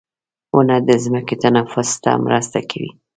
• ونه د ځمکې تنفس ته مرسته کوي.